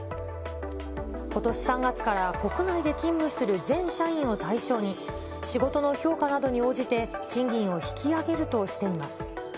ことし３月から国内で勤務する全社員を対象に、仕事の評価などに応じて、賃金を引き上げるとしています。